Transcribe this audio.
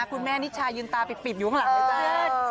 คุณแม่นิชายืนตาปลิบปลิบอยู่ข้างหลังเลยจ๊ะ